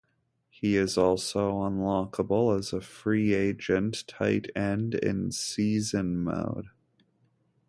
He is also unlockable as a free agent tight end in season mode.